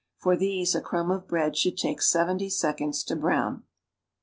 For these a crumb of bread should take 70 seconds to brown.